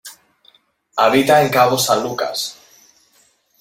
Habita en Cabo San Lucas.